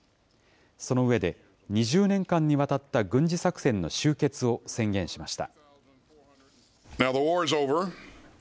その上で、２０年間にわたった軍事作戦の終結を宣言しました。